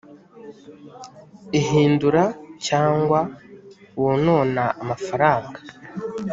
uhindura cyangwa wonona amafaranga